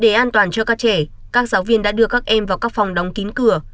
để an toàn cho các trẻ các giáo viên đã đưa các em vào các phòng đóng kín cửa